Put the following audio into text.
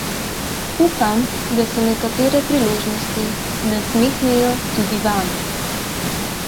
Upam, da se nekatere priložnosti nasmehnejo tudi Vam.